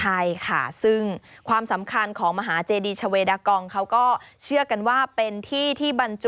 ใช่ค่ะซึ่งความสำคัญของมหาเจดีชาเวดากองเขาก็เชื่อกันว่าเป็นที่ที่บรรจุ